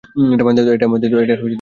এটা আমার দায়িত্ব।